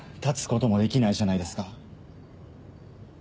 立つこともできないじゃないですか。